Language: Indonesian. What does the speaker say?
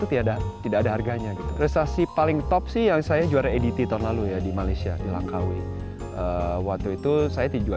prestasi paling top sih yang saya juara edit tahun lalu ya di malaysia di langkawi waktu itu saya juga